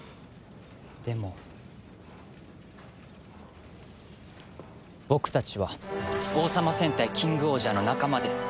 でも僕たちは王様戦隊キングオージャーの仲間です。